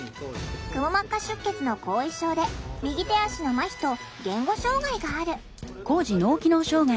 くも膜下出血の後遺症で右手足のまひと言語障害がある。